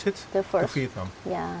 tôi chưa có thể nhìn thấy